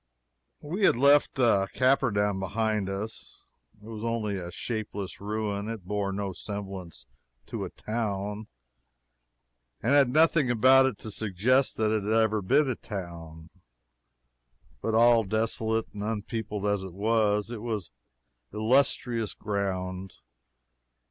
We had left Capernaum behind us. It was only a shapeless ruin. It bore no semblance to a town, and had nothing about it to suggest that it had ever been a town. But all desolate and unpeopled as it was, it was illustrious ground.